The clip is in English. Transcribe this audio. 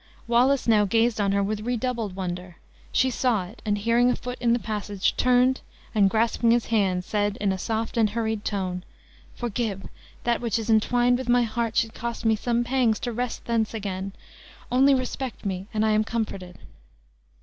Wallace now gazed on her with redoubled wonder. She saw it; and hearing a foot in the passage, turned, and grasping his hand, said in a soft and hurried tone, "Forgive, that which is entwined with my heart should cost me some pangs to wrest thence again. Only respect me and I am comforted."